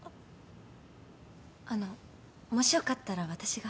あのもしよかったら私が。